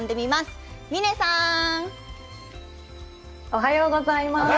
おはようございます。